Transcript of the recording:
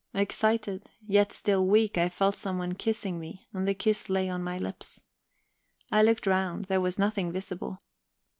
Excited, yet still weak, I felt someone kissing me, and the kiss lay on my lips. I looked round: there was nothing visible.